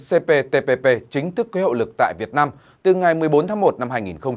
cptpp chính thức kế hậu lực tại việt nam từ ngày một mươi bốn tháng một năm hai nghìn một mươi chín